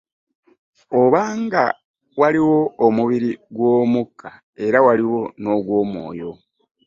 Oba nga waliwo omubiri gw'omukka, era waliwo n'ogw'omwoyo.